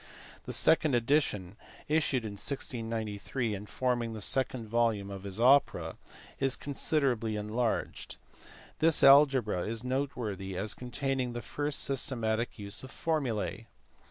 The second edition, issued in 1693 and forming the second volume of his Opera, is considerably enlarged. This algebra is noteworthy as containing the first systematic use of formulae.